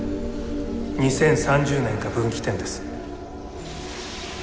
２０３０年が分岐点です。